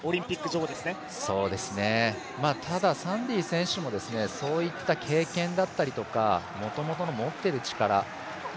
そうですね、ただサンディ選手もそういった経験だったりとかもともとの持っている力